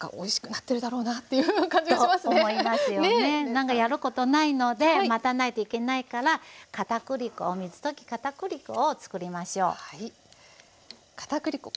何かやることないので待たないといけないから片栗粉水溶き片栗粉をつくりましょう。